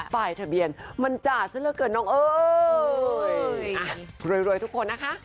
ป้ายทะเบียนมันจ่าซะละเกินน้องเอ้ยอ่ะรวยทุกคนนะคะ